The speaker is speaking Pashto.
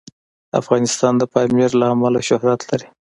افغانستان د پامیر له امله شهرت لري.